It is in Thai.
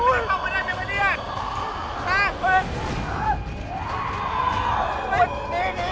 เข้ามากเถอะ